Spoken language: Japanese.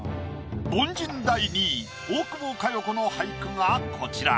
凡人第２位大久保佳代子の俳句がこちら。